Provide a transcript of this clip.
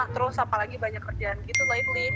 terus apalagi banyak kerjaan gitu lightly